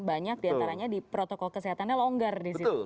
banyak diantaranya di protokol kesehatannya longgar disitu